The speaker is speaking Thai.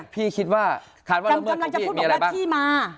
พี่คิดว่าที่มา